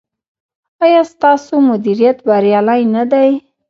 ایا ستاسو مدیریت بریالی نه دی؟